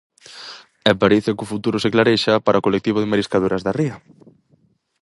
E parece que o futuro se clarexa para o colectivo de mariscadoras da ría.